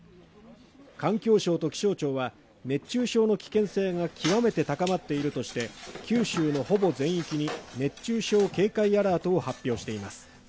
環境省と気象庁は熱中症の危険性が極めて高まっているとして、九州のほぼ全域に熱中症警戒アラートを発表しています。